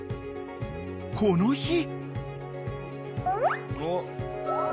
［この日］